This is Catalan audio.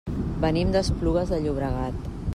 Venim d'Esplugues de Llobregat.